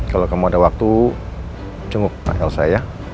kalau kamu ada waktu cenguk pak elsa ya